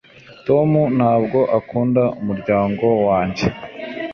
tom ntabwo akunda umuryango wanjye